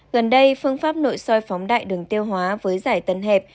gần đây phương pháp nội soi phóng đại đường tiêu hóa với giải tần hẹp